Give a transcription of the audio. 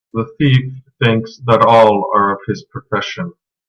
The thief thinks that all are of his profession.